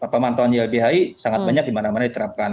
pemantauan ylbhi sangat banyak dimana mana diterapkan